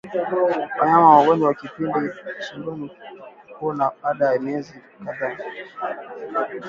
Mnyama wa ugonjwa wa kupinda shingo hupona baada ya miezi kadhaa